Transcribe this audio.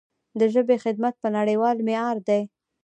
د ژبې خدمت په نړیوال معیار دی.